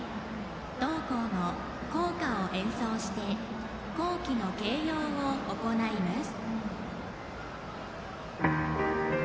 同校の校歌を演奏して校旗の掲揚を行います。